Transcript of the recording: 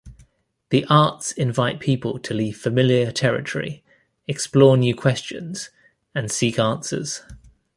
The arts invite people to leave familiar territory, explore new questions, and seek answers.